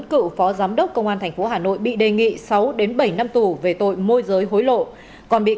cựu phó giám đốc công an tp hà nội bị đề nghị sáu bảy năm tù về tội môi giới hối lộ còn bị